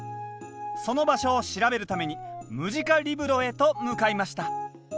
その場所を調べるためにムジカリブロへと向かいました。